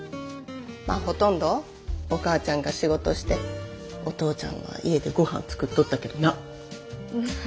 まあほとんどお母ちゃんが仕事してお父ちゃんが家でごはん作っとったけどな。